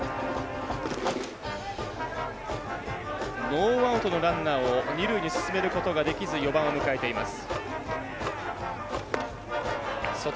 ノーアウトのランナーを二塁に進めることができず４番を迎えています。